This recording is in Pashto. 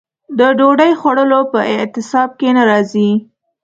د ډوډۍ خوړلو په اعتصاب کې نه راځي.